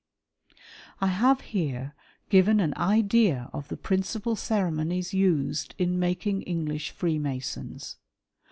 I have here given an idea of the principal ceremonies used in making English Freemasons.